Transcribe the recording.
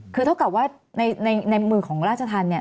คือเท่ากับว่าในมือของราชธรรมเนี่ย